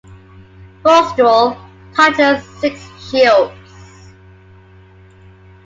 Rostral: Touches six shields.